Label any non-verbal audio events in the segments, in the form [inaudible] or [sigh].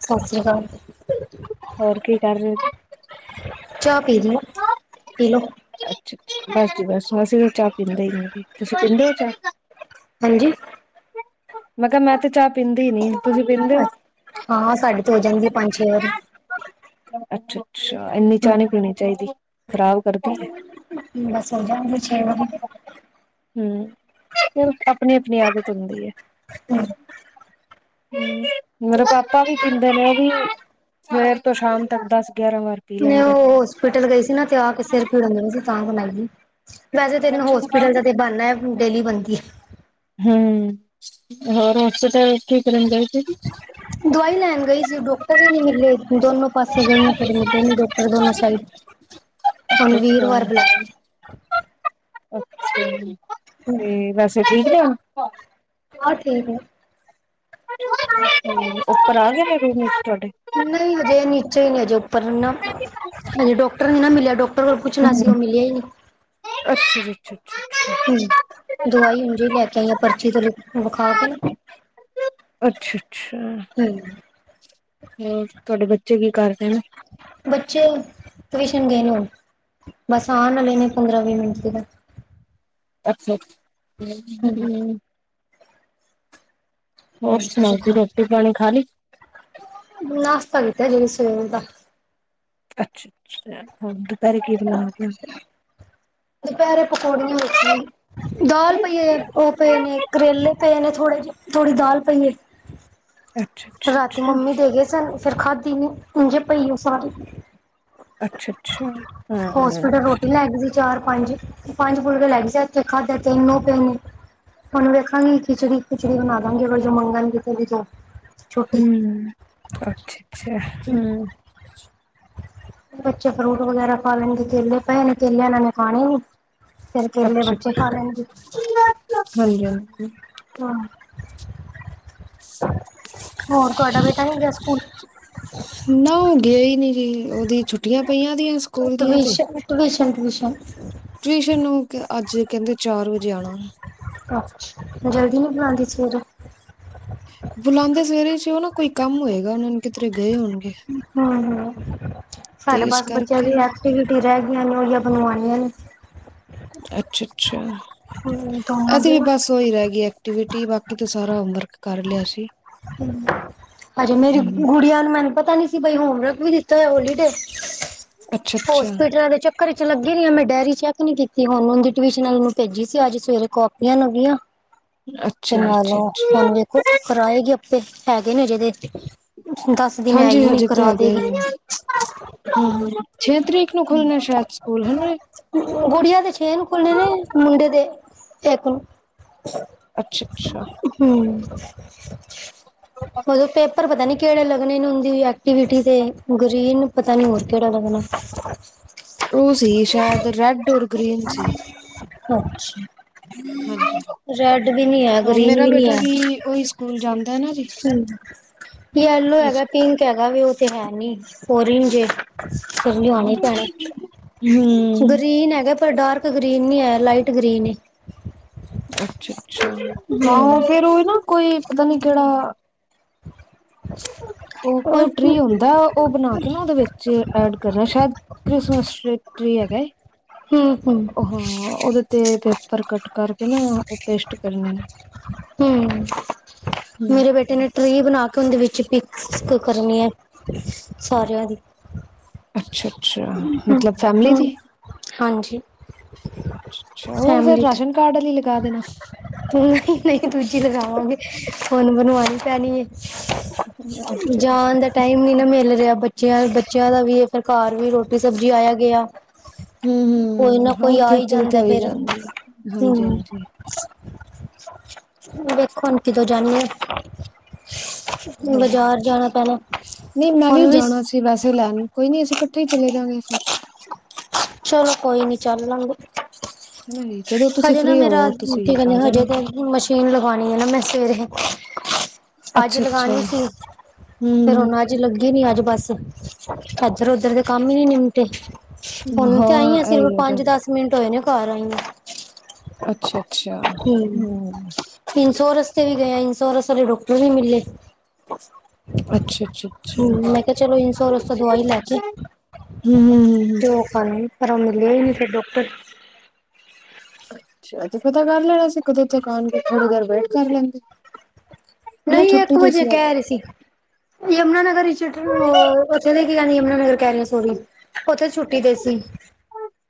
ਸਤਿ ਸ੍ਰੀ ਅਕਾਲ ਹੋਰ ਕੀ ਕਰ ਰਹੇ ਹੋ ਚਾਹ ਪੀ ਲ ਪੀ ਲਓ ਬਸ ਜ ਬਸ ਅਸੀਂ ਚਾਹ ਪੀਂਦੇ ਹੀ ਨਹੀਂ ਵੀ ਤੁਸੀਂ ਪੀਂਦੇ ਹੋ ਚਾਹ ਹਾਂਜੀ ਮੈਂ ਕਿਹਾ ਮੈਂ ਤੇ ਚਾਹ ਪੀਂਦੀ ਨੀ ਤੁਸੀਂ ਪੀਂਦੇ ਹੋ? ਅ ਹਾਂ ਸਾਡੇ ਤੋਂ ਹੋ ਜਾਂਦੀ ਪੰਜ ਛੇ ਵਾਰੀ [unintelligible] ਅੱਛਾ ਅਛਾ ਇੰਨੀ ਚਾ ਨਹੀਂੀ ਪੀਉਣੀ ਚਾਹੀਦੀ ਖਰਾਬ ਕਰਦੀ ਹੈ ਬਸ ਹੋ ਜਾਣਗੇ ਛੇ ਵਾਰੀ ਹਮ ਫਿਰ ਆਪਣੀ ਆਪਣੀ ਆਦਤ ਹੁੰਦੀ ਹੈ ਹਮ ਹ ਮੇਰੇ ਪਾਪਾ ਵੀ ਪਹਦੇ ਨੇ ਉਹ ਵੀ ਸਵੇਰ ਤੋਂ ਸ਼ਾਮ ਤੱਕ ਦਾ ਸੀ ਮੈਂ ਉਹ ਹੋਸਪਿਟਲ ਗਈ ਸੀ ਨਾ ਤੇ ਆ ਕੇ ਸਿਰ ਪੀੜਨ ਦੇਣਾ ਸੀ ਤਾਂ ਬਣਾਈ [unintelligible] ਵੈਸੇ ਤੈਨੂੰ ਹੋਸਪਿਟਲ ਦਾ ਤੇ ਬਣਨਾ ਡੇਲੀ ਬੰਦੀ ਹੂੰ ਹੋਰ ਮਸ ਤਾਂ ਠੀਕ ਰਿੰਦਾ ਦਵਾਈ ਲੈਣ ਗਈ ਸੀ ਡਾਕਟਰ ਹੀ ਨੀ ਮਿਲੇ ਦੋਨੋ ਪਾਸੇ ਗਈ ਫ ਅੱਛਾ ਮ ਡਾਕਟਰ ਦੋਨੋ ਸਾਈਡ ਹੁਣ ਵੀਰ ਵਰ ਬੁਲਾਏ ਅੱਛਾ ਤੇ ਵੈਸੇ ਠੀਕ ਆ ਹਾਂ ਹੋਰ ਠੀਕ ਹੈ। ਅ ਉੱਪਰ ਆ ਗਏ ਤੁਹਾਡੇ ਨਹੀਂ ਹਜੇ ਨੀਚੇ ਹੀ ਨਹੀਂ ਹਜੇ ਉੱਪਰ ਨਾ ਹਜੇ ਡਾਕਟਰ ਨੀ ਨਾ ਮਿਲਿਆ ਡਾਕਟਰ ਕੋਲ ਪੁੱਛਣਾ ਸੀ ਹਮ, ਉਹ ਮਿਲਿਆ ਹੀ ਨੀ। ਅੱਛਾ ਜੀ ਅੱਛਾ ਅੱਛਾ ਹੂੰ, ਦਵਾਈ ਉਜ ਲੈ ਕੇ ਆਈ ਆ ਪਰਚੀ ਤੋਂ ਵਿਖਾ ਕੇ ਨਾ। ਅੱਛਾ, ਹੂੰ, ਹੂੰ ਤੁਹਾਡੇ ਬੱਚ ਚੇ ਕੀ ਕਰਦੇ ਨੇ? ਬੱਚੇ ਟਿਊਸ਼ਨ ਗਏ ਨੇ ਬਸ ਆਣ ਵਾਲੇ ਨੇ ਪੰਦਰਾਂ ਵੀਹ ਮਿੰਟ ਤੱਕ ਅੱਛਾ ਅੱਛਾ, ਹੂੰ ਹੂੰ, ਹੋਰ ਸੁਣਾਓ ਤੁਸੀਂ ਜੀ ਕੀ, ਰੋਟੀ ਪਾਣੀ ਖਾ ਲਈ ਨਾਸ਼ਤਾ ਕੀਤਾ ਜੀ। ਸਵੇਰ ਦਾ। ਅੱਛਾ ਅੱਛਾ, ਦੁਪਹਿਰੇ ਕੀ ਬਣਾਇਆ। [unintelligible] ਦੁਪਹਿਰੇ ਪਕੌੜੀਆਂ ਵੇਖਾਂਗੀ ਦਾਲ ਪਈ ਉਹ ਪਏ ਨੇ ਹੋ ਕਰੇਲੇ ਪਏ ਨੇ ਥੋੜੇ ਜਿਹੇ ਥੋੜੀ ਦਾਲ ਪਈ ਏ, ਅੱਛਾ ਅੱਛਾ ਰਾਤੀ ਅੱਛਾ ਮੰਮੀ ਦੇਗੇ ਸਨ ਫਿਰ ਖਾਦੀ ਨ ਇਝੇ ਪਈ ਆ ਸਾਰੀ ਅੱਛਾ ਅੱਛਾ, ਹੂੰ ਹੂੰ, ਹੋਸਪਿਟਲ ਰੋਟੀ ਲੈ ਗਈ ਸੀ ਚਾਰ ਪੰਜ ਪੰਜ ਫੁਲਕੇ ਲੱਗ ਜਾ ਇਥੇ ਖਾਧੇ ਤਿੰਨ ਓਹ ਪਏ ਨੇ ਉਹਨੂੰ ਵੇਖਾਂਗੀ ਖਿਚੜੀ ਖੁਚੜੀ ਬਣਾ ਦਾਂ ਗੀ ਅਰ ਜੋ ਮੰਗਣਗੇ ਤੇ ਵੀ ਤ ਹੂੰ, ਅੱਛਾ ਅੱਛਾ ਹੂੰ, ਬੱਚੇ ਫਰੂਟ ਵਗੈਰਾ ਖਾ ਲੈਣਗੇ ਕੇਲੇ ਪਏ ਨੇ ਕੇਲੇ ਇਹਨਾਂ ਨੇ ਖਾਣੇ ਨੀ ਫੇਰ ਕੇਲੇ ਅੱਛਾ ਬੱਚੇ ਖਾ ਲੈਣਗੇ ਹਾਂਜੀ ਹਾਂਜੀ ਹੂੰ, ਹੋਰ ਤੁਹਾਡਾ ਬੇਟਾ ਨੀ ਗਿਆ ਸਕੂਲ ਨਾ ਉਹ ਗਏ ਹੀ ਨੀ ਜੀ ਉਹਦੀ ਛੁੱਟੀ ਛੁਂਟੀਆਂ ਪਈਆਂ ਉਹਦੀਆਂ ਸਕੂਲ ਦੀਆਂ ਤੇ ਹੁਣ ਟਿਊਸ਼ਨ ਟਿਊਸ਼ਨ ਨੂੰ ਅੱਜ ਕਹਿੰਦੇ ਚਾਰ ਵਜੇ ਆਣਾ, ਜਲਦੀ ਨੀ ਬੁਲਾਦੀ ਸਵੇਰੇ, ਬੁਲਾਉਦੇ ਸਵੇਰੇ ਚ ਉਹ ਨਾ ਕੋਈ ਕੰਮ ਹੋਏਗਾ ਉਹਨਾ ਨੂੰ ਕਿਦਰੇ ਹੂੰ ਹੂੰ, [unintelligible] ਸਾਡੇ ਤੇ ਇਸ ਪਾਸ ਬੱਚਿਆਂ ਕਰਕੇ ਦੀ ਨਾ ਐਕਟੀਵਿਟੀ ਰਹਿ ਗੀ ਇਹੋ ਜਿਹੀਆਂ ਬਣਵਾਉਣੀਆਂ ਨਹੀਂ ਅੱਛਾ ਅੱਛਾ ਦੋਨਾਂ ਅਸੀਂ ਦੀ ਵੀ ਨਾ ਬਸ ਉਹੀ ਰਹਿ ਗਈਏ ਐਕਟੀਵਿਟੀ ਬਾਕੀ ਤੇ‌ ਸਾਰਾ ਹੋਮ ਵਰਕ ਕਰ ਲਿਆ ਸੀ ਅਜ ਮੇਰੀ ਹਮ ਗੁੜੀਆ ਨੇ ਮੈਨੂੰ ਪਤਾ ਨੀ ਸੀ ਹੋਮਵਰਕ ਵੀ ਦਿੱਤਾ ਹੋਇਆ ਹੋਲੀਡੇ ਅੱਛਾ ਅੱਛਾ ਹੋਸਪਿਟਲਾਂ ਦੇ ਚੱਕਰ ਚ ਲੱਗੇ ਨੇ ਮੈਂ ਡਾਇਰੀ ਚੈਕ ਨਹੀਂ ਕੀਤੀ ਹੁਣੀ ਉਹਦੀ ਟਿਊਸ਼ਨ ਵਾਲੀ ਨੂੰ ਭੇਜੀ ਸੀ ਅੱਜ ਅੱਜ ਸਵੇਰੇ ਕਾਪੀਆਂ ਲੱਭੀਆਂ। ਤੇ ਅੱਛਾ ਜੀ ਅੱਛਾ ਨਾਲੋ ਉਨੇ ਅੱਛਾ ਕਰਾਏ ਜੇ ਹੈਗੇ ਨੇ ਜਿਹੜੇ ਤੇ ਹਾਂਜੀ ਹਾਂਜੀ ਤੇ ਹੈਗੇ ਨੇ ਹੂੰ, ਛੇ ਤਰੀਕ ਨੂੰ ਖੁੱਲਣੇ ਸ਼ਾਇਦ ਸਕੂਲ ਹੈਨਾ। ਗੁੜੀਆ ਦੇ ਛੇ ਨੂੰ ਖੁਲਣੇ ਨੇ ਮੁੰਡੇ ਦੇ ਇੱਕ ਨੂੰ ਅੱਛਾ ਅਛ ਅੱਛਾ ਹੂੰ ਉਦੋਂ ਤੇ ਪਰ ਪਤਾ ਨਹੀਂ ਕਿਹੜੇ ਲੱਗਣੇ ਉਹਦੀ ਵੀ ਐਕਟੀਵਿਟੀ ਦੇ ਗਰੀਨ ਪਤਾ ਨੀ ਹੋਰ ਕਿਹੜਾ ਲੱਗਣਾ। ਉਹ ਸੀ ਸ਼ਾਇਦ ਰੈਡ ਔਰ ਗ੍ਰੀਨ ਸੀ। ਅੱਛਾ ਹਾਂਜੀ ਰੈਡ ਵੀ ਨਹੀਂ ਆ ਉਹ ਗਰੀਨ ਮੇਰਾ ਵੀ ਨਹੀਂ ਬੇਟਾ ਹੈ। ਉਹੀ ਸਕੂਲ ਜਾਂਦਾ ਹੈ ਨਾ ਜੀ ਚੰਗਾ। ਯੈਲੋ ਇਸ ਹੈਗਾ ਪਿੰਕ ਹੈਗਾ ਉਹ ਤੇ ਹੈ ਨਹੀਂ, ਔਰੇਜ ਐ। ਫਿਰ ਲਿਆਉਣਾ ਹੀ ਪੈਣਾ ਹੂੰ ਗਰੀਨ ਹੈਗਾ ਪਰ ਡਾਰਕ ਗ੍ਰੀਨ ਨਹੀਂ ਹੈ ਲਾਈਟ ਗ੍ਰੀਨ ਏ। ਅੱਛਾ। ਅੱਛਾ ਹਾਂ ਫਿਰ ਉਹ ਨਾ ਕੋਈ ਪਤਾ ਨੀ ਕਿਹੜਾ ਉਹ ਕੋਈ ਟਰੀ ਹੁੰਦਾ ਉਹ ਬਣਾ ਕੇ ਨਾ ਉਹਦੇ ਵਿੱਚ ਐਡ ਕਰਨਾ ਸ਼ਾਇਦ ਕ੍ਰਿਸਮਸ ਟਰੀ ਹੈਗਾ ਏ। ਹੂੰ ਹਾਂ ਉਹਤੇ ਪੇਪਰ ਕੱਟ ਕਰਕੇ ਨਾ ਉਹ ਪੇਸਟ ਕਰਨੇ ਹੂੰ ਹੂੰ ਕੁੰਦ ਵਿੱਚ ਪਿਕਸ ਕਰਨੀ ਹੈ। ਸਾਰਿਆਂ ਦੀ ਅੱਛਾ ਅੱਛਾ ਹੂੰ ਮਤਲਬ ਫੈਮਲੀ ਹੂੰ ਦੀ ਹਾਂਜੀ, ਅੱਛਾ ਉਹ ਫੇਰ ਫੈਮਲੀ ਰਾਸ਼ਨ ਕਾਰਡ ਆਲੀ ਲਗਾ ਦੇਣਾ। ਤੂੰ ਨਹੀਂ ਨਹੀਂ ਦੂਜੀ ਲਗਾਵਾਂਗੇ। ਹੁਨ ਬਣਵਾਣੀ ਪੈਣੀ ਹੈ। ਅੱਛਾ-ਅੱਛਾ ਜਾਣ ਦਾ ਟਾਈਮ ਵੀ ਨਾ ਮਿਲ ਰਿਹਾ ਬੱਚਿਆਂ ਬੱਚਿਆਂ ਦਾ ਵੀ ਸਰਕਾਰ, ਵੀ ਰੋਟੀ ਸਬਜ਼ੀ ਆਇਆ ਗਿਆ ਕੋਈ ਹੂੰ-ਹੂੰ ਨਾ ਹਾਂ ਕੋਈ ਆ ਹੀ ਖੇਚਲ ਤੇ ਜਾਂਦਾ ਹੋਈ ਫਿਰ ਜਾਂਦੀ ਏ ਹੂੰ। ਹਾਂਜੀ-ਹਾਂਜੀ ਵੇਖਣ ਹੁਣ ਕਦੋ ਜਾਣੀ ਏ, ਨਹੀਂ ਮੈਂ ਵੀ ਜਾਣਾ ਸੀ ਵੈਸੇ ਲੈਣ ਕੋਈ ਨੀ ਅਸੀਂ ਇਕੱਠੇ ਚਲੇ ਜਾਗੇ ਫਿਰ ਚਲੋ ਕੋਈ ਨੀ ਚੱਲ ਨੂੰ ਜਦੋਂ ਤੁਸੀਂ ਹਜੇ ਨਾ ਫ੍ਰਰੀ ਹੋਵੋ ਮੇਰਾ ਤੁਸੀਂ ਕੀ ਕ ਆ ਜਾਣਾ ਹਜੇ ਫਿਰ ਤੇ ਮਸ਼ੀਨ ਲਗਣੀ ਹੈ ਨਾ ਮੈਂ ਸਵੇਰੇ [unintelligible] ਅੱਜ ਅੱਛਾ-ਅੱਛਾ ਲਗਾਣੀ ਸੀ ਫਿਰ ਹੂੰ ਉਹਣ ਅੱਜ ਲੱਗੀ। ਨੀ ਅੱਜ ਬਸ ਇੱਧਰ ਉਧਰ ਦੇ ਕੰਮ ਹੀ ਨ ਨਿਪਟੇ, ਹੁਣ ਹਾਂ ਤੇ ਆਈਏ ਅਸੀਂ ਰੋ ਪੰਜ ਦਸ ਮਿੰਟ ਹੋਏ ਨੇ, ਘਰ ਆਈ ਆ ਅੱਛਾ ਅੱਛਾ ਹੂੰ, ਇੰਨ ਸੋਰ ਰੁਕ ਰੀ ਮਿਲੇ, ਅੱਛਾ-ਅੱਛਾ-ਅੱਛਾ ਹੂੰ ਮੈਂ ਕਿਹਾ ਚਲੋ ਇੰਸੋਰਸ ਤੋਂ ਦਵਾਈ ਲੈ ਕੇ ਹੂੰ-ਹੂੰ-ਹੂੰ ਤੇ ਉਹ ਕਰ ਪਰ ਮਿਲਿਆ ਹੀ ਨੀ ਫਿਰ ਡਾਕਟਰ [unintelligible] ਅੱਛਾ ਤੇ ਪਤਾ ਕਰ ਲੈਣਾ ਸੀ ਕਦੋਂ ਤੱਕ ਆਣਗੇ ਥੋੜੀ ਦੇਰ ਵੇਟ ਕਰ ਲੈਂਦੇ। ਨਾ ਨਹੀਂ ਛੁੱਟੀ ਇੱਕ ਤੇ ਵਜੇ ਅੱਜ ਕਹਿ ਰਹੀ ਸੀ ਯਮੁਨਾਨਗਰ ਉੱਥੇ ਦੇ ਕਦੀ ਨਗਰ ਕਹਿ ਰਹੀ ਸੋਰੀ ਉੱਥੇ ਛੁੱਟੀ ਦੇ ਸੀ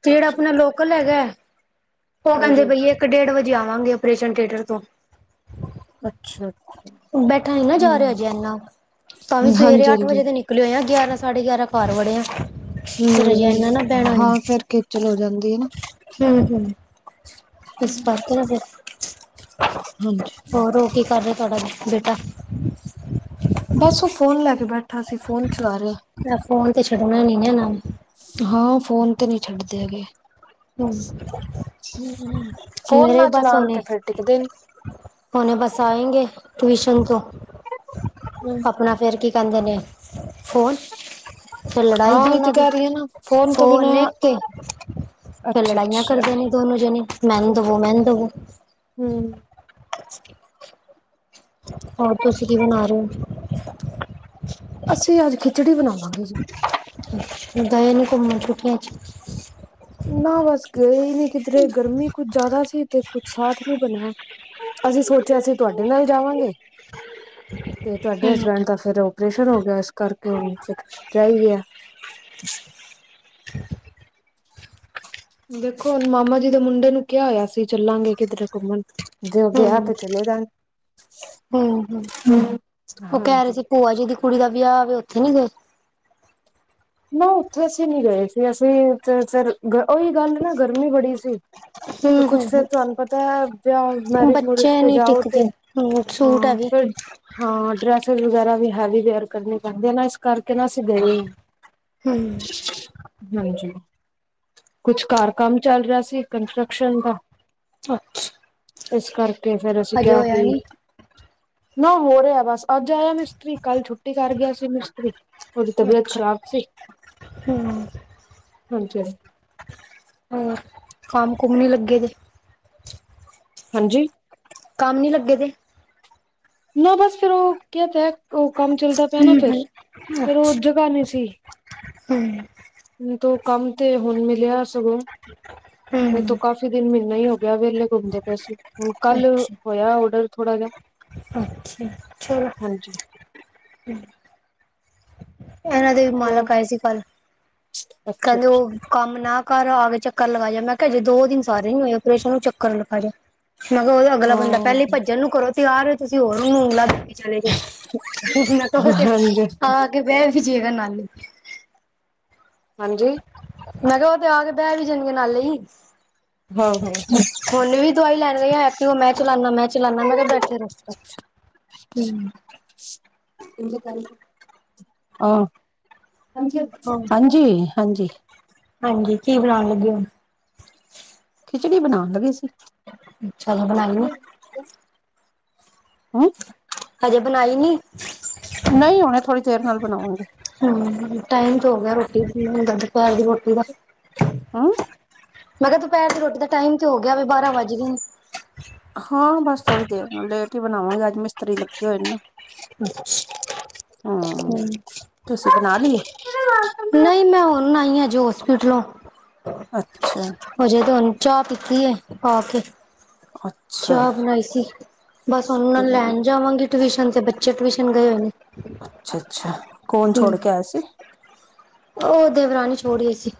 ਜਿਹੜਾ ਅੱਛਾ ਆਪਣਾ ਲੋਕਲ ਹੈਗਾ ਹੈ। ਉਹ ਹਾਂਜੀ ਕਹਿੰਦੇ ਹਾਂਜੀ ਬਈਏ ਇੱਕ ਡੇਢ ਵਜੇ ਆ। ਕੱਢਾਗੇ ਔਪ੍ਰੈਸ਼ਨ ਥੀਏਟਰ ਤੋਂ [unintelligible] ਬੈਠਾ ਨੀ ਨਾ ਜਾ ਰਿਹਾ ਹਮ ਜੇ ਇੰਨਾ ਤਾਂ ਵੀ ਸਵੇਰੇ ਹਾਂਜੀ ਅੱਠ ਹਾਂਜੀ ਵਜੇ ਤੇ ਨਿਕਲਿਓ ਆ। ਗਿਆਰਾਂ ਸਾਢੇ ਗਿਆਰਾਂ ਘਰ ਵੜੇ ਆ। ਫਿਰ ਅਜੇ ਹੂੰ, ਇਨਾ ਨਾ ਬਹਿਣਾ ਨੀ ਹਾਂ ਫੇਰ ਖਿਚਲ ਹੋ ਜਾਂਦੀ ਹੈ ਨਾ। ਹੂੰ, ਹੂੰ ਇਸ ਕਰਕੇ ਨੇ ਫੇਰ, ਹਾਂਜੀ ਹੋਰ ਉਹ ਕੀ ਕਰ ਰ ਤੁਹਾਡਾ ਬੇਟਾ ਕਰਾ ਸੀ ਫੋਨ ਚਲਾ ਰਿਹਾ ਮੇਰਾ ਫੋਨ ਤੇ ਛੱਡਣਾ ਨੀ ਨਾ ਇਹਨਾਂ ਨੇ ਹਾਂ ਫੋਨ ਤੇ ਨਹੀਂ ਛੱਡਦੇ ਹੈਗੇ ਹੂ ਹਮ ਫੋਨ ਮੇਰੇ ਨਾ ਬਸ ਚਲਾਉਣ ਹੁਨੇ ਤੇ ਫਿਰ ਟਿਕਦੇ ਨੀ ਬਸ ਹੁਨੇ ਆਏਂ ਗੇ ਟਿਵੂਸਨ ਤੋਂ ਆਪਣਾ ਫੇਿਰ ਕੀ ਕਹਦੇ ਨੇ ਫੋਨ ਫਿਰ ਹਾਂ ਲੜਾਈ ਉਹੀ ਤੇ ਦੋਨਾਂ ਦੀ ਕਹਿ ਰਹੀ ਹੈ ਨਾ ਤੋਂ ਬਿਨਾਂ ਫੋਨ ਤੋਂ ਫਿਰ ਅੱਛਾ ਲੜਾਈਆਂ ਕਰ ਅੱਛਾ ਦੇਣੇ ਦੋਨੋ ਜਣੇ ਮੈਨੂੰ ਦਵੋ ਮੈਨੂੰ ਦਵੋ ਹਮ ਅ ਹੋ ਤੁਸੀਂ ਕੀ ਬਣਾ ਰਹੇ ਹੋ ਅਸੀਂ ਅੱਜ ਖਿਚੜੀ ਬਣਾਉਣੀ ਗਏ ਨੇ ਘੁੰਮਣ ਛੁਟੀਆ ਚ ਨਾ ਬਸ ਗਏ ਨਹੀਂ ਕਿਧਰੇ ਗਰਮੀ ਕੁੱਝ ਜ਼ਿਆਦਾ ਸੀ ਤੇ ਕੁਛ ਸਾਥ ਨਹੀਂ ਬਣਿਆ ਅਸੀਂ ਸੋਚਿਆ ਅਸੀਂ ਤੁਹਾਡੇ ਨਾਲ ਜਾਵਾਂਗੇ ਤੇ ਤੁਹਾਡੇ ਹਮ ਹਸਬੈਂਡ ਦਾ ਫਿਰ ਉਪਰੇਸ਼ਨ ਹੋ ਗਿਆ ਇਸ ਕਰਕੇ ਹਣੁ ਰਹੀ ਹੀ ਗਿਆ [unintelligible] ਦੇਖੋ ਹੁਣ ਮਾਮਾ ਜੀ ਦੇ ਮੁੰਡੇ ਨੂੰ ਕਿਆ ਹੋਇਆ ਸੀ ਚੱਲਾਂਗੇ ਕਿੱਧਰੇ ਘੁੰਮਣ ਜੇ ਉਹ ਗਿਆ ਹਮ ਤੇ ਚਲੇ ਜਾਣ ਹਮ ਉਹ ਕਹਿ ਰਹੇ ਹਾਂਜੀ ਸੀ ਭੂਆ ਜੀ ਦੀ ਕੁੜੀ ਦਾ ਵਿਆਹ ਵੈ ਉੱਥੇ ਨੀ ਗਏ ਨਾ ਉੱਥੇ ਅਸੀਂ ਨਹੀਂ ਗਏ ਸੀ ਅਸੀਂ ਫਿਰ ਉਹੀ ਗੱਲ ਨਾ ਗਰਮੀ ਬੜੀ ਸੀ ਹਮ ਤੇ ਕੁਛ ਹਮ ਫਿਰ ਤੁਹਾਨੂੰ ਪਤਾ ਹੈ ਹਮ ਮੈਰਿਜ ਮੋਰਿਜ ਬੱਚੇ ਤੇ ਨੀ ਜਾਓ ਟਿਕਦੇ ਤੇ ਹਮ ਸੂਟ ਹਾਂ ਹੈ ਵੀ ਫਿਰ ਹਾਂ ਡਰੈਸ ਵਗੈਰਾ ਵੀ ਹਾਲੀ ਤਿਆਰ ਕਰਨੀ ਬਿਨਸ ਕਰਕੇ ਨਾ ਅਸੀ ਗਏ ਨਹੀਂ [unintelligible] ਹਾਂਜੀ ਘਰ ਕੰਮ ਚੱਲ ਰਿਹਾ ਸੀ ਕੰਸਟਰਕਸ਼ਨ ਦਾ ਅੱਛਾ ਇਸ ਕਰਕੇ ਤੇ ਫੇਰ ਅਸੀਂ ਹਜੇ ਕਿਹਾ ਹੋਇਆ ਕੀ! ਨੀ ਨਾ ਹੋ ਰਿਹਾ ਬਸ ਅੱਜ ਆਇਆ ਮਿਸਤਰੀ ਕੱਲ੍ਹ ਛੁੱਟੀ ਕਰ ਗਿਆ ਸੀ ਮਿਸਤਰੀ ਉਹਦੀ ਤਬੀਅਤ ਖਰਾਬ ਸੀ ਹੂੰ। [unintelligible] ਹੋਰ, ਕੰਮ ਕੁਮ ਨੀ ਲੱਗੇ ਦੇ? ਹਾਂਜੀ। ਕੰਮ ਨੀ ਲੱਗੇ ਦੇ। ਨਾ ਬਸ ਫੇਰ ਔ ਕੇਆ ਤੇ ਐ। ਕੋ ਕੰਮ ਚੱਲਦਾ ਪਿਆ ਨਾ ਹਮ ਫੇਰ, ਹਮ ਫੇਰ ਔ ਜਗਾ ਨੀ ਸੀ। ਹਏ। ਹੁਣ ਤੂੰ ਕੰਮ ਤੇ ਹੁਣ ਮਿਲਿਆ ਸ ਸਗੋਂ, ਨਹੀਂ ਤੋ ਹਮ ਕਾਫ਼ੀ ਦਿਨ ਮੀਨਾ ਈ ਹੋ ਗਿਆ ਵੇਲੇ ਘੁੰਮਦੇ ਪਏ ਸੀ, ਹੁਣ ਕੱਲ ਅੱਛਾ ਹੋਇਐ ਔਡਰ ਥੋੜਾ ਜਾ। ਅੱਛਾ ਚਲੋ, ਹਾਂਜੀ ਹੂੰ। ਐਨਾਂ ਦੇ ਵੀ ਹੋਰ ਮਾਲਕ ਆਏ ਸੀ ਕੱਲ। ਅੱਛਾ ਕੈੰਦੇ ਔ ਅੱਛਾ ਕੰਮ ਨਾ ਘਰ ਆ ਕੇ ਚੱਕਰ ਲਗਾ ਜਣ ਮੈਂ ਕੈ ਹਜੇ ਦੋ ਦਿਨ ਸਾਰੇ ਨੀ ਹੋਏ ਔਰੇਸ਼ਨ ਨੂੰ ਚੱਕਰ ਲਗਾ ਜੇ। ਮੈਂ ਕੈ ਔ ਤੇ ਅਗਲਾ ਬੰਦਾ ਪੈਲੇ ਈ ਹਾਂ ਭੱਜਣ ਨੂੰ ਘਰੋ ਤਿਆਰ ਔ ਤੁਸੀਂ ਹੋਰ ਵੀੰਗਲਾ [unintelligible] ਚਲੇ ਜੋ, ਮੈਂ ਕੇਹੋਰ ਕੇ ਹਾਂਜੀ ਆ ਕੇ ਬੈ ਕੀ ਚੀਏਗਾ ਨਾਨੀ ਹਾਂਜੀ। ਮੈਂ ਕਿਆ ਔ ਤੇ ਆ ਕੇ ਬੈ ਵੀ ਜਾਣਗੇ ਨਾਲੇ ਈ। ਹਾਂ ਹਾਂ ਹੋਣ ਵੀ ਦਵਾਈ ਲੈਣ ਗਏ ਆ, ਐਕਟਿਵਾ ਮੈਂ ਚਲਾਨਾ ਮੈਂ ਚਲਾਨਾ ਮੈਂ ਕੈ ਬੈਠੇ ਰੋ, ਹੂੰ। ਆਹ। ਹਾਂਜੀ ਹਾਂ ਹਾਂਜੀ ਹਾਂਜੀ। ਹਾਂਜੀ, ਕੀ ਬਣਾਣ ਲੱਗੇ ਔ? ਖਿਚੜੀ ਬਣਾਣ ਲੱਗੀ ਸੀ। ਚੱਲੋ ਬਣਾਲੂ। ਹਮ [inaudible] ਹਜੇ ਬਣਾਈ ਨੀ। ਨਹੀਂ ਹੁਣੇ ਥੋੜ੍ਹੀ ਦੇਰ ਨਾਲ ਬਣਾਵਾਂਗੇ ਹੂੰ, ਟਾਈਮ ਤੇ ਹੋ ਗਿਐ ਰੋਟੀ ਫੀ ਮੰਗਾ ਦੇ। ਦੁਪੈਰ ਦੀ ਰੋਟੀ ਦਾ, ਹਮ ਮੈਂ ਕੈ ਦੂੰਪੈਰ ਦੀ ਰੋਟੀ ਦਾ ਟਾਈਮ ਤੇ ਹੋ ਗਿਆ ਵੇ ਬਾਰਾਂ ਵੱਜ ਗੇਣ। ਥੋਰੀ ਦੇਰ ਨੂੰ ਲੇਟ ਈ ਬਣਾਵਾਂਗੇ ਅੱਜ ਮਿਸਤਰੀ ਲੱਗੇ ਹੋਏ ਨਾ। ਹਮ ਹੂੰ, ਤੁਸੀਂ ਬਣਾ ਲਈਏ ਨਹੀਂ ਮੈਂ ਹੁਣ ਆਈ ਆ। ਜੇ ਹੋਸਪਿਟਲੋਂ। ਅੱਛਾ। ਹਜੇ ਤੇ ਹੁਣ ਚਾਹ ਪੀਤੀ ਹੈ, ਆ ਕੇ। ਅੱਛਾ ਚਾਹ ਬਣਾਈ ਸੀ, ਬਸ ਉਹਨਾਂ ਨੂੰ ਲੈਣ ਜਾਵਾਂਗੀ ਟਿਊਸ਼ਨ ਤੇ ਬੱਚੇ ਟਿਊਸ਼ਨ ਗਏ ਹੋਏ ਨੇ। ਅੱਛਾ-ਅੱਛਾ ਕੌਣ ਹੂੰ ਛੋੜ ਕੇ ਆਇਆ ਸੀ? ਉਹ ਦੇਵਰਾਣੀ ਛੋੜੀ ਹੋਈ ਸੀ।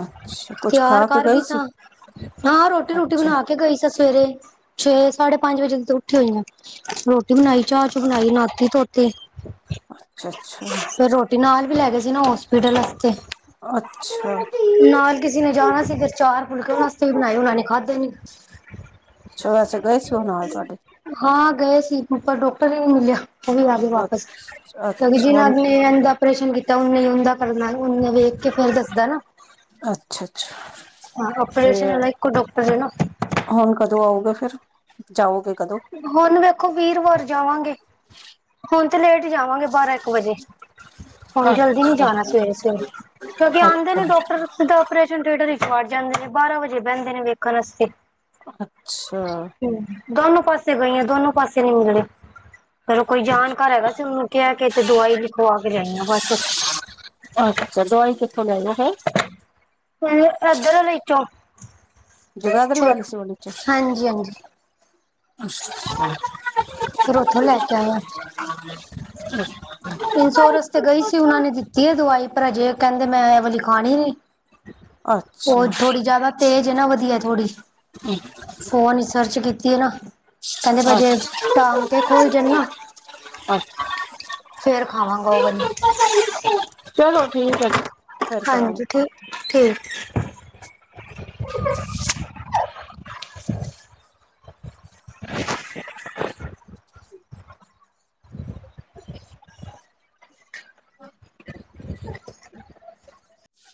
ਆ ਤਿਆਰ ਕਰ ਗਈ ਸਾਂ, ਹਾਂ ਰੋਟੀ ਰੂਟੀ ਅੱਛਾ ਬਣਾ ਕੇ ਗਈ ਸਾਂ ਸਵੇਰੇ, ਛੇ ਸਾਢੇ ਪੰਜ ਵਜੇ ਦੀ ਤਾਂ ਉੱਠੀ ਹੋਈ ਆਂ ਰੋ ਤੇ ਬਣਾਈ ਚਾਹ-ਚੂਹ ਬਣਾਈ, ਨਾਤੀ-ਧੋਤੀ, ਕੀ? ਅੱਛਾ ਅੱਛਾ ਫੇਰ ਰੋਟੀ ਨਾਲ ਵੀ ਲੈ ਗਏ। ਜਿਨ੍ਹਾਂ ਹੌਸਪੀਟਲ ਹੈ। ਅੱਛਾ, ਨਾਲ ਕਿਸੇ ਨੇ ਜਾਣਾ ਸੀ ਫਿਰ ਚਾਰ ਫੁਲਕੇ ਉਹਨਾਂ ਵਾਸਤੇ ਵੀ ਬਣਾਏ ਉਹਨਾਂ ਨੇ। ਅੱਦ, ਅੱਛਾ ਵੈਸੇ ਗਏ ਸੀ ਉਹ ਨਾਲ ਤੁਹਾਡੇ? ਹਾਂ ਗਏ ਸੀ ਪਰ ਤਾਂ ਡਾਕਟਰ ਨੇ ਨਹੀਂ ਮਿਲਿਆ। ਉਹ ਵੀ ਆ ਗਈ ਵਾਪਿਸ ਅੱਛਾ ਕਿਉਂਕਿ ਅੱਛਾ ਜਿਹਨਾਂ ਹੁਣ ਨੇ ਇੰਝ ਦਾ ਆਪ੍ਰੇਸ਼ਨ ਕੀਤਾ ਉਹਨੇ ਉਂਦਾ ਕਰਨਾ ਉਹਨੇ ਵੇਖ ਕੇ ਫੇਰ ਦੱਸਦਾ ਹੈ ਨਾ। ਅੱਛਾ ਅੱਛਾ ਹਾਂ, ਆਪ੍ਰੇਸ਼ਨ ਤੇ ਵਾਲਾ ਇੱਕੋ ਡਾਕ ਪਰੇ ਨਾ [unintelligible] ਹੁਣ ਕਦੋਂ ਆਉਗੇ ਫੇਰ, ਜਾਓਗੇ। ਕਦੋਂ ਹੁਣ ਵੇਖੋ ਵੀਰਵਾਰ ਜਾਵਾਂਗੇ ਹੁਣ ਤੇ ਲੇਟ ਜਾਵਾਂਗੇ ਬਾਰਾਂ ਇੱਕ ਵਜੇ ਹੁਣ ਜਲਦੀ ਨੀ ਅੱਛਾ ਜਾਣਾ ਸਵੇਰੇ-ਸਵੇਰੇ ਕਿਉਂਕਿ ਆਦੇ ਅੱਛਾ ਨੇ ਡਾਕਟਰ ਸਿੱਧਾ ਆਪਰੇਸ਼ਨ ਥਿਏਟਰ ਏ। ਵੱਜ ਜਾਂਦੇ ਨੇ ਬਾਰਾਂ ਵਜੇ ਬਹਿੰਦੇ ਨੇ ਵੇਖਣ ਆਸਤੇ। ਅੱਛਾ। ਦੋਨੋ ਪਾਸ ਤੇ ਗਈਆਂ ਦੋਨੋ ਪਾਸੇ ਨਹੀਂ ਮਿਲੇ। ਫਿਰ ਉਹ ਕੋਈ ਜਾਣਕਾਰ ਹੈਗਾ ਸੀ ਉਹਨੂੰ ਕਹਿ ਕੇ ਇੱਕ ਦਵਾਈ ਲਿਖਵਾ ਕੇ ਲਿਆਈ ਮੈਂ ਬੱਸ। ਤੋ ਲੈਲੋ ਫਿਰ। ਪਹਿਲਾਂ ਇੱਧਰ ਆਲੇ ਚੋਂ, ਜਗਾਦਰੀ ਵਾਲੀ ਛੁੱਟ, ਸੀ ਵਾਲੀ ਚ ਹਾਂਜੀ-ਹਾਂਜੀ। ਫਿਰ ਉੱਥੋਂ ਲੈ ਕੇ ਆਏ ਆ, ਇਨਸੋਰੇਨਸ ਤੇ ਗਈ ਸੀ ਉਹਨਾਂ ਨੇ ਦਿੱਤੀ ਹੈ ਦਵਾਈ ਪਰ ਹਜੇ [unintelligible] ਕਹਿੰਦੇ ਮੈਂ ਇਹ ਵਾਲੀ ਖਾਣੀ ਨੀ। ਉਹ ਅੱਛਾ ਥੋੜੀ ਜਿਆਦਾ ਤੇਜ ਇਹ ਨਾ, ਵਧੀਆ ਥੋੜੀ ਫੋਨ ਵਿੱਚ ਸਰਚ ਕੀਤੀ। ਕਿ ਨਾ ਕਹਿੰਦੇ ਅੱਛਾ ਅਜੇ ਟਾਂਕੇ ਤੇ ਖੁੱਲ ਜਾਣ ਨਾ ਅੱਛਾ ਫੇਰ ਖਾਵਾਂਗਾ ਉਹ ਵਾਲੀ ਚਲੋ ਠੀਕ ਹੈ ਫਿਰ ਕਰਾਂਗੇ ਹਾਂਜੀ ਠੀਕ ਠੀਕ [unintelligible] [unintelligible] [unintelligible] ਹੂੰ